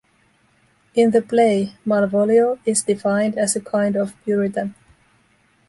In the play, Malvolio is defined as a kind of Puritan.